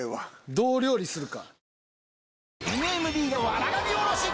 どう料理するか。